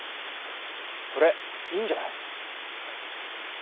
それいいんじゃない？